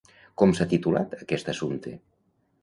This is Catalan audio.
Com s'ha titulat aquest assumpte?